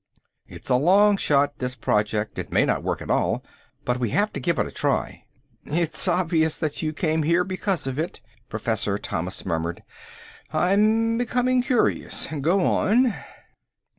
"It's a long shot, this project. It may not work at all, but we have to give it a try." "It's obvious that you came here because of it," Professor Thomas murmured. "I'm becoming curious. Go on."